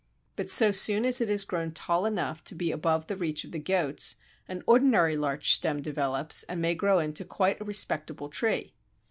But so soon as it has grown tall enough to be above the reach of the goats, an ordinary larch stem develops and may grow into quite a respectable tree.